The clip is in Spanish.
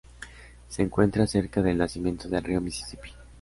Se encuentra cerca del nacimiento del río Misisipi.